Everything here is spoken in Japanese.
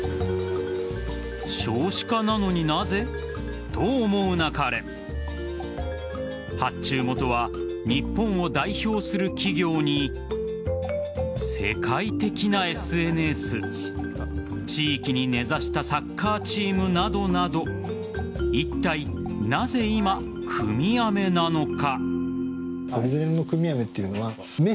少子化なのになぜと思うなかれ発注元は日本を代表する企業に世界的なＳＮＳ地域に根差したサッカーチームなどなどいったいなぜ今、組み飴なのか。